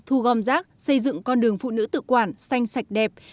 thu gom rác xây dựng con đường phụ nữ tự quản xanh sạch đẹp